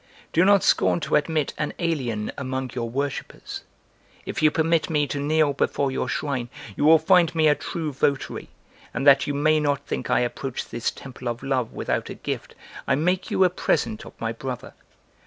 "Do not scorn to admit an alien among your worshipers: If you permit me to kneel before your shrine you will find me a true votary and, that you may not think I approach this temple of love without a gift, I make you a present of my brother!"